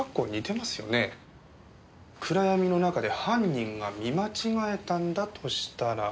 暗闇の中で犯人が見間違えたんだとしたら。